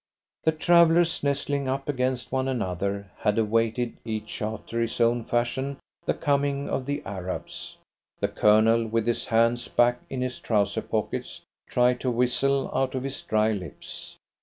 The travellers, nestling up against one another, had awaited, each after his own fashion, the coming of the Arabs. The Colonel, with his hands back in his trouser pockets, tried to whistle out of his dry lips.